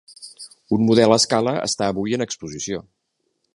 Un model a escala està avui en exposició.